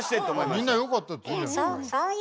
みんなよかったって言うじゃない。